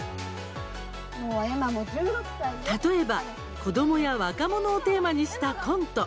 例えば、子どもや若者をテーマにしたコント。